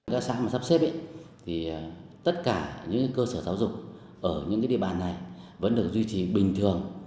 các xã mà sắp xếp thì tất cả những cơ sở giáo dục ở những địa bàn này vẫn được duy trì bình thường